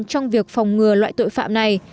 trong việc phòng ngừa loại tội phạm này